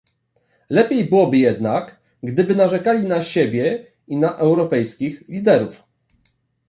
Lepiej byłoby jednak, gdyby narzekali na siebie i na europejskich liderów